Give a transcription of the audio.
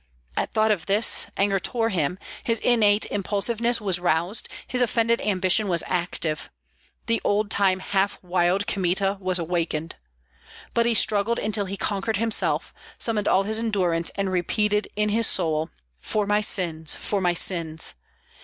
At thought of this, anger tore him, his innate impulsiveness was roused, his offended ambition was active; the old time half wild Kmita was awakened. But he struggled until he conquered himself, summoned all his endurance, and repeated in his soul: "For my sins, for my sins!"